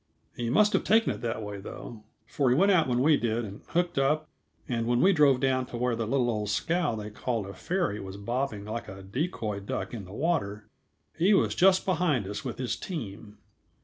He must have taken it that way, though; for he went out when we did and hooked up, and when we drove down to where the little old scow they called a ferry was bobbing like a decoy duck in the water, he was just behind us with his team.